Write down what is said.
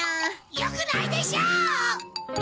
よくないでしょ！！